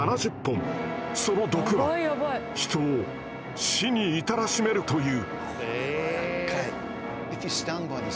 その毒は人を死に至らしめるという。